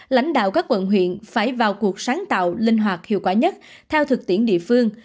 lãnh đạo các quận huyện phải vào cuộc sáng tạo linh hoạt hiệu quả nhất theo thực tiễn địa phương